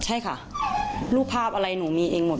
ใช่ค่ะรูปภาพอะไรหนูมีเองหมด